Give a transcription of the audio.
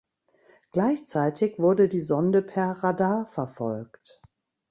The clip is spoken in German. Gleichzeitig wurde die Sonde per Radar verfolgt.